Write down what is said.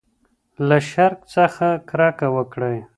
له شرک څخه کرکه وکړئ.